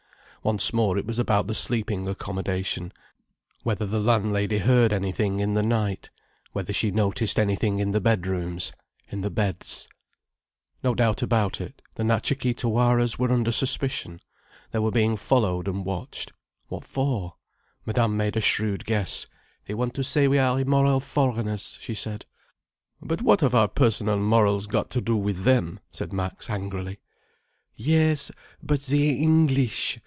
Once more it was about the sleeping accommodation—whether the landlady heard anything in the night—whether she noticed anything in the bedrooms, in the beds. No doubt about it, the Natcha Kee Tawaras were under suspicion. They were being followed, and watched. What for? Madame made a shrewd guess. "They want to say we are immoral foreigners," she said. "But what have our personal morals got to do with them?" said Max angrily. "Yes—but the English!